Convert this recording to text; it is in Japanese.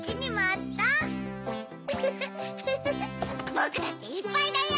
ぼくだっていっぱいだよ！